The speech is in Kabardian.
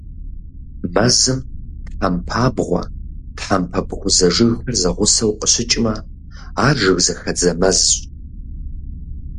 Мэзым тхьэмпабгъуэ, тхьэмпэ бгъузэ жыгхэр зэгъусэу къыщыкӀмэ, ар жыгзэхэдзэ мэзщ.